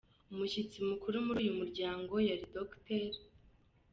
Umushyitsi mukuru muri uyu muhango yari Dr.